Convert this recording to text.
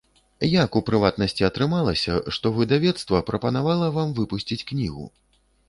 Як, у прыватнасці, атрымалася, што выдавецтва прапанавала вам выпусціць кнігу?